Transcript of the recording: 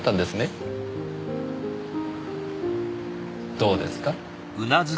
どうですか？